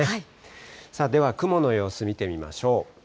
さあ、では雲の様子、見てみましょう。